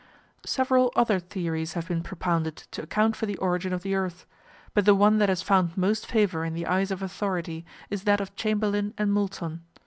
Several other theories have been propounded to account for the origin of the earth, but the one that has found most favour in the eyes of authorities is that of Chamberlin and Moulton.